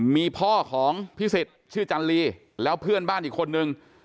มีพ่อของพิสิทธิ์ชื่อจันลีแล้วเพื่อนบ้านอีกคนนึง